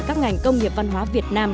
các ngành công nghiệp văn hóa việt nam